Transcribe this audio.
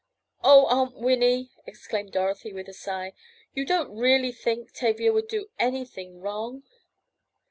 "Oh, Aunt Winnie!" exclaimed Dorothy with a sigh, "you don't really think Tavia would do anything wrong?"